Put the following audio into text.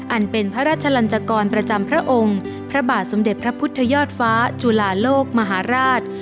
อันเป็นพระราชลันจกรประจำพระองค์พระบาทสมเด็จพระพุทธยอดฟ้าจุลาโลกมหาราช